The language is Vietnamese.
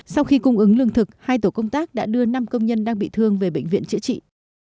sau khi cung ứng lương thực hai tổ công tác đã đưa năm công nhân đang bị thương về bệnh viện chữa trị